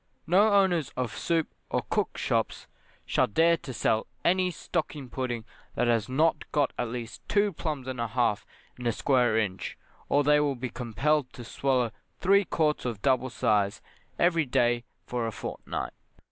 No owners of soup or cook shops shall dare to sell any stocking pudding that has not got at least two plums and a half in a square inch, or they will be compelled to swallow three quarts of double size every day for a fortnight.